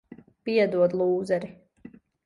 Piedod, lūzeri.